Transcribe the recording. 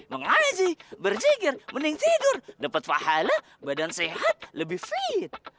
mengazi berzikir mending tidur dapat fahala badan sehat lebih fit